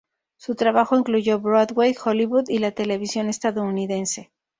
Su trabajo incluyó Broadway, Hollywood y la televisión estadounidense.